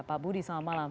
pak budi selamat malam